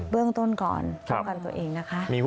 เรื่องต้นก่อนป้องกันตัวเองนะคะ